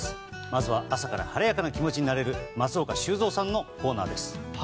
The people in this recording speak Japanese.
まずは、朝から晴れやかな気持ちになれる松岡修造さんのコーナーです。